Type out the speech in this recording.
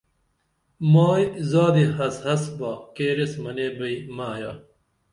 مائی زادی حس حس با کیریس منے بئی مہ آیا